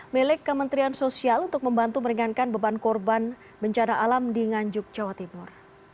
milik kementerian sosial untuk membantu meringankan beban korban bencana alam di nganjuk jawa timur